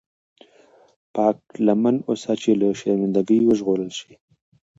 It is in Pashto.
پاک لمن اوسه چې له شرمنده ګۍ وژغورل شې.